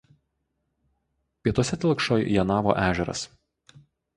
Pietuose telkšo Janavo ežeras.